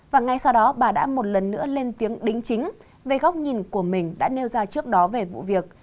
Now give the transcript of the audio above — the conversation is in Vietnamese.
và ngay sau đó bà đã một lần nữa lên tiếng đính chính về góc nhìn của mình đã nêu ra trước đó về vụ việc